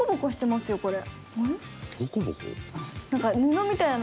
これ。